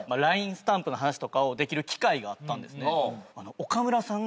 スタンプの話とかをできる機会があったんですね。